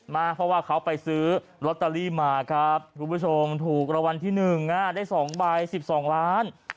มาเพราะว่าเขาไปซื้อลอตเตอรี่มาครับคุณผู้ชมถูกรางวัลที่๑ได้๒ใบ๑๒ล้าน